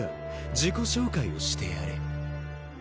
自己紹介をしてやれ。